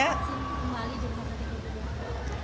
apakah ada vaksin kembali di rumah sakit itu